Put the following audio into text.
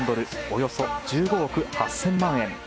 およそ１５億８０００万円。